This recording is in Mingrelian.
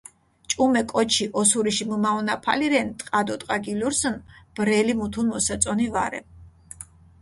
ჭუმე კოჩი ოსურიში მჷმაჸონაფალი რენ, ტყა დო ტყას გილურსჷნ, ბრელი მუთუნ მოსაწონი ვარე.